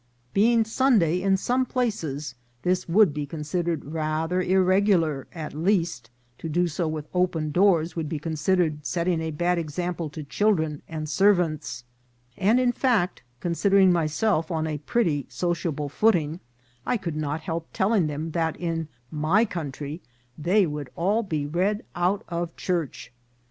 Being Sunday, in some places this would be considered rather irregular ; at least, to do so with open doors would be considered setting a bad example to children and ser * vants ; and, in fact, considering myself on a pretty so ciable footing, I could not help telling them that in my country they would all be read out of Church.